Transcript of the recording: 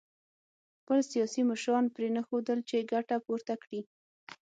خپل سیاسي مشران پرېنښودل چې ګټه پورته کړي